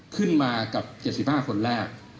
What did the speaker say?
ขึ้นมากับ๗๕คนแรก